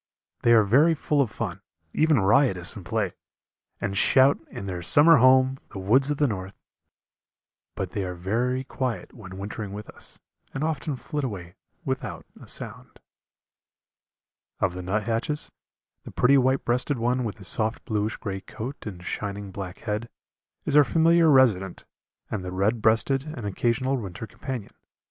They are very full of fun, even riotous in play, and shout, in their summer home the woods of the north but they are very quiet when wintering with us, and often flit away without a sound. Of the nuthatches, the pretty white breasted one with his soft bluish grey coat and shining black head, is our familiar resident and the red breasted an occasional winter companion.